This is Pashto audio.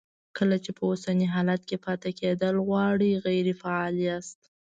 کله چې په اوسني حالت کې پاتې کېدل غواړئ غیر فعال یاست.